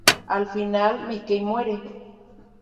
Al Final, Mikey muere.